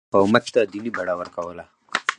ګاندي مقاومت ته دیني بڼه ورکوله.